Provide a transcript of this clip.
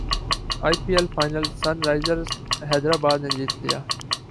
ائی P L final Sunrisers Hyderabad نے جیت لیا